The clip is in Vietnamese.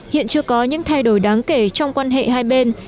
hiện chưa có những thay đổi đáng kể trong quan hệ hai bên